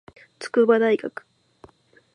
筑波大学